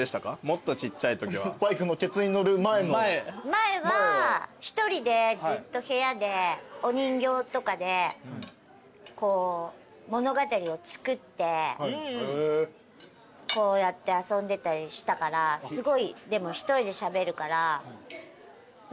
前は一人でずっと部屋でお人形とかで物語を作ってこうやって遊んでたりしたからすごいでも。